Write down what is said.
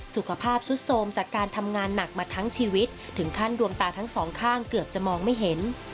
สุขภาพซุดโทรมจากการทำงานหนักมาทั้งชีวิตถึงขั้นดวงตาทั้งสองข้างเกือบจะมองไม่เห็น